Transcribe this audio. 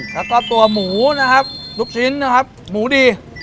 แล้วก็ตัวหมูนะครับลูกชิ้นนะครับหมูดี